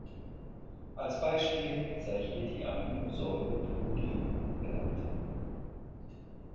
Als Beispiel sei hier die Aminosäure -Prolin genannt.